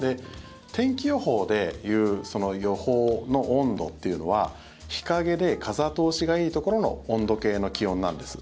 天気予報で言う予報の温度っていうのは日陰で風通しがいいところの温度計の気温なんです。